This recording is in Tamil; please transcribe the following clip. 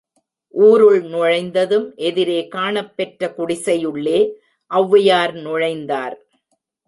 ஊருள் நுழைந்ததும் எதிரே காணப்பெற்ற குடிசையுள்ளே ஒளவையார் நுழைந்தார்.